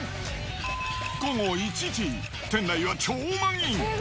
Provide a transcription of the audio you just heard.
午後１時、店内は超満員。